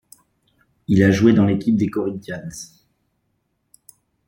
Il a joué dans l'équipe des Corinthians.